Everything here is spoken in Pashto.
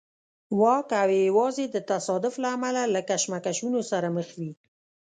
واک او یوازې د تصادف له امله له کشمکشونو سره مخ وي.